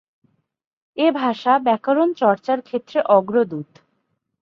এ ভাষা ব্যাকরণ চর্চার ক্ষেত্রে অগ্রদূত।